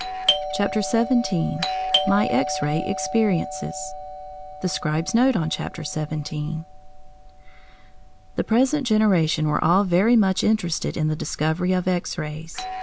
CHAPTER XVII MY X RAY EXPERIENCES THE SCRIBE'S NOTE ON CHAPTER SEVENTEEN The present generation were all very much interested in the discovery of X rays.